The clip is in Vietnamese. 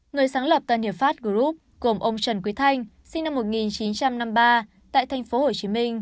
người sáng lập tân điệp phát group gồm ông trần quý thanh sinh năm một nghìn chín trăm năm mươi ba tại tp hcm